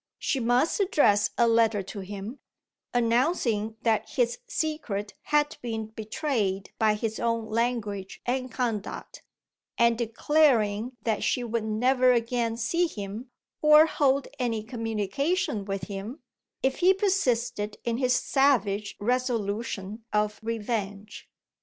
She must address a letter to him, announcing that his secret had been betrayed by his own language and conduct, and declaring that she would never again see him, or hold any communication with him, if he persisted in his savage resolution of revenge.